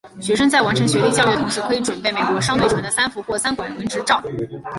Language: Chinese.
学生在完成学历教育的同时可以准备美国商船队的三副或三管轮执照。